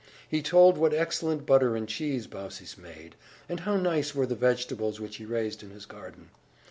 He told what excellent butter and cheese Baucis made, and how nice were the vegetables which he raised in his garden.